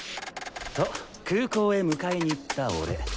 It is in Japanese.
と空港へ迎えに行った俺。